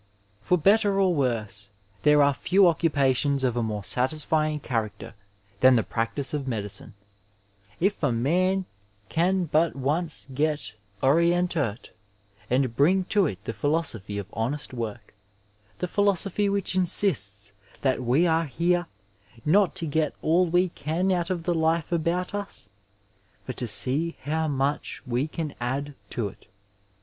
For better or worse, there are few occupations of a more satisfying character than the practice of medicine, if a man can but once get orientiH and bring to it the philosophy of honest work, the philosophy which insists that we are here, not to get all we can out of the life about us, but to see how much we can add to it.